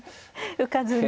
浮かずに。